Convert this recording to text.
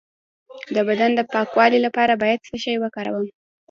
د بدن د پاکوالي لپاره باید څه شی وکاروم؟